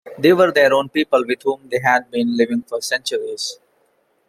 They were their own people with whom they had been living for centuries.